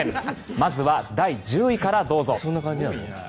まずは第１０位からどうぞ。